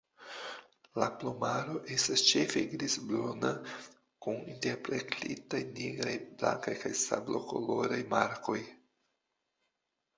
La plumaro estas ĉefe grizbruna kun interplektitaj nigraj, blankaj kaj sablokoloraj markoj.